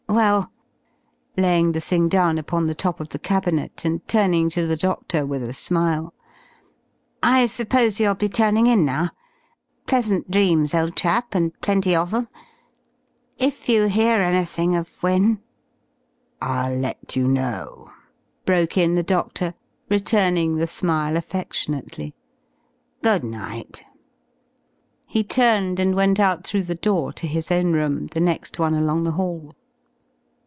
Well," laying the thing down upon the top of the cabinet and turning to the doctor with a smile. "I suppose you'll be turning in now. Pleasant dreams, old chap, and plenty of 'em. If you hear anything of Wynne " "I'll let you know," broke in the doctor, returning the smile affectionately. "Good night." He turned and went out through the door to his own room, the next one along the hall.